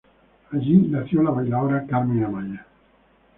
Allí nació la bailaora Carmen Amaya.